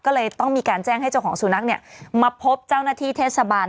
ก็เลยต้องมีการแจ้งให้เจ้าของสุนัขเนี่ยมาพบเจ้าหน้าที่เทศบาล